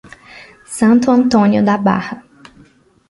Santo Antônio da Barra